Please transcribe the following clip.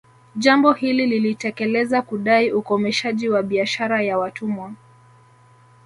Jambo hili lilitekeleza kudai ukomeshaji wa biashara ya watumwa